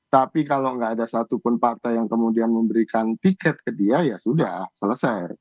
tapi kalau nggak ada satupun partai yang kemudian memberikan tiket ke dia ya sudah selesai